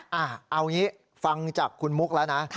เอางี้ฟังจากคุณมุกแล้วนะ